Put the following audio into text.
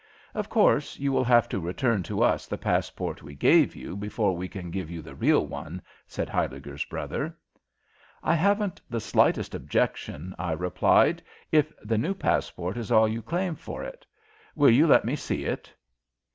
"Of course, you will have to return to us the passport we gave you before we can give you the real one," said Huyliger's brother. "I haven't the slightest objection," I replied, "if the new passport is all you claim for it. Will you let me see it?"